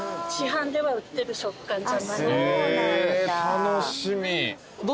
楽しみ。